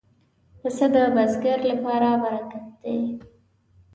پسه د بزګر لپاره برکت دی.